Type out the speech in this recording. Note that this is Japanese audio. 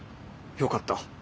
よかった。